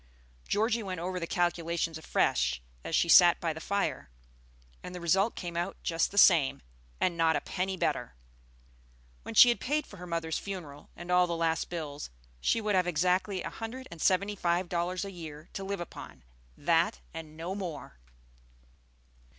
Georgie went over the calculations afresh as she sat by the fire, and the result came out just the same, and not a penny better. When she had paid for her mother's funeral, and all the last bills, she would have exactly a hundred and seventy five dollars a year to live upon, that and no more!